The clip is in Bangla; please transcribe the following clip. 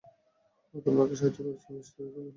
তুমি ওকে সাহায্য করেছ মিস্টিরিওকে খুন করতে?